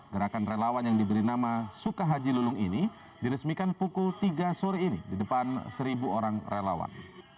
gerakan relawan yang diberi nama sukahaji lulung ini diresmikan pukul tiga sore ini di depan seribu orang relawan